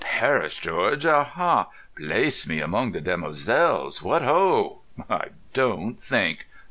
"Paris, George, aha! Place me among the demoiselles, what ho! I don't think.